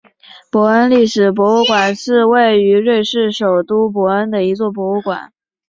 伯恩历史博物馆是位于瑞士首都伯恩的一座博物馆。